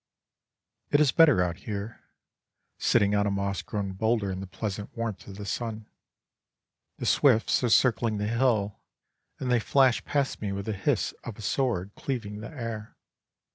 It is better out here, sitting on a moss grown boulder in the pleasant warmth of the sun. The swifts are circling the hill, and they flash past me with the hiss of a sword cleaving the air.